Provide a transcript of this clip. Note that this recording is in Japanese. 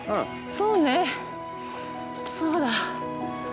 そうねそうだ。